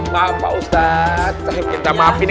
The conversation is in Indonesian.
maaf pak ustad